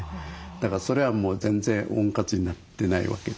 だからそれはもう全然温活になってないわけですよね。